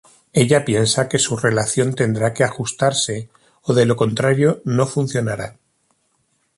Ella piensa que su relación tendrá que ajustarse o de lo contrario no funcionará.